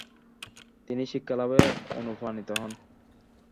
তিনি শিক্ষা লাভে অনুপ্রাণিত হন।